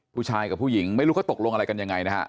ผู้ชายกับผู้หญิงไม่รู้เขาตกลงอะไรกันยังไงนะฮะ